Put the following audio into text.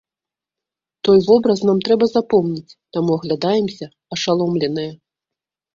Той вобраз нам трэба запомніць, таму аглядаемся ашаломленыя.